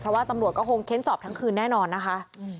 เพราะว่าตำรวจก็คงเค้นสอบทั้งคืนแน่นอนนะคะ